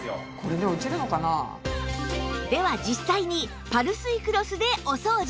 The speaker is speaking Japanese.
では実際にパルスイクロスでお掃除！